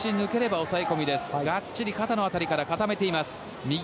がっちり肩の辺りから固めています。